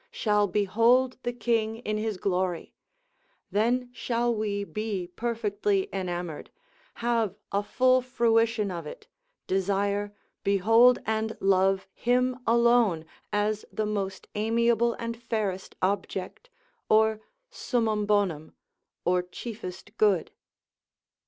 shall behold the king in his glory, then shall we be perfectly enamoured, have a full fruition of it, desire, behold and love him alone as the most amiable and fairest object, or summum bonum, or chiefest good.